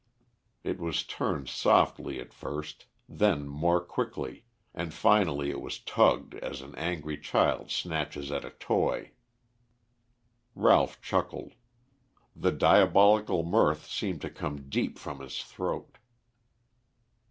It was turned softly at first, then more quickly, and finally it was tugged as an angry child snatches at a toy. Ralph chuckled. The diabolical mirth seemed to come deep from his throat.